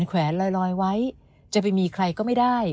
แขวนลอยไว้จะไปมีใครก็ไม่ได้